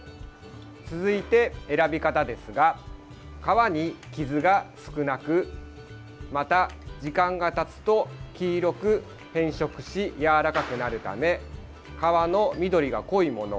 続いて選び方ですが皮に傷が少なくまた時間がたつと黄色く変色しやわらかくなるため皮の緑が濃いもの。